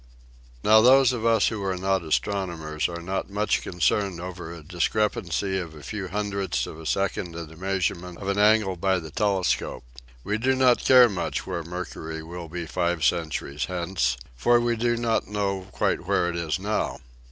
Now those of us who are not astronomers are not much concerned over a discrepancy of a few hun dredths of a second in the measurement of an angle by the telescope. We do not care much where Mercury will be five centuries hence, for we do not know quite where it is now.